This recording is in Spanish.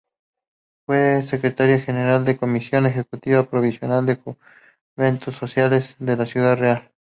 Fue secretaria general de la Comisión Ejecutiva Provincial de Juventudes Socialistas de Ciudad Real.